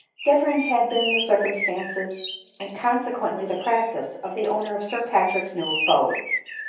Different Jiad been the circumstances and consequent <_ 66 ADELINE MOWBRAY. ly the practice, of the owner of Sir Patrick's new abode.